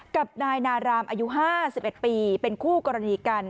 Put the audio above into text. กับนายนารามอายุ๕๑ปีเป็นคู่กรณีกัน